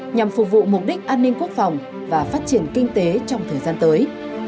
nhằm phục vụ mục đích an ninh quốc phòng và phát triển kinh tế trong thời gian tới